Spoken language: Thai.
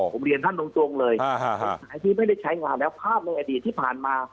ผมเรียนท่านตรงเลยกฎหมายที่ไม่ได้ใช้งานแล้วภาพในอดีตที่ผ่านมา